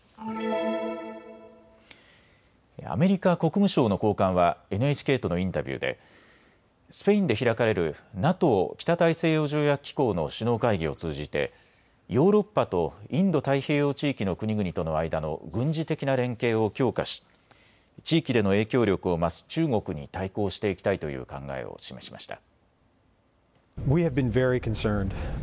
アメリカ国務省の高官はＮＨＫとのインタビューでスペインで開かれるＮＡＴＯ・北大西洋条約機構の首脳会議を通じてヨーロッパとインド太平洋地域の国々との間の軍事的な連携を強化し地域での影響力を増す中国に対抗していきたいという考えを示しました。